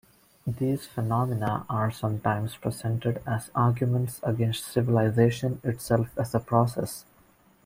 These phenomena are sometimes presented as arguments against civilization itself as a process.